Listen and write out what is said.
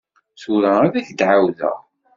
Tura ad ak-d-ɛawdeɣ.